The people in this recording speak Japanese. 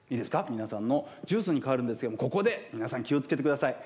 皆さんのジュースに変わるんですけどもここで皆さん気を付けてください。